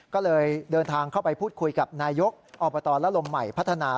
ก็เลยเดินทางเข้าไปพูดคุยกับนายกอบตละลมใหม่พัฒนา